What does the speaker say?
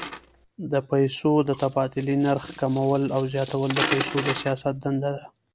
د پیسو د تبادلې نرخ کمول او زیاتول د پیسو د سیاست دنده ده.